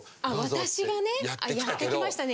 私がねやってきましたね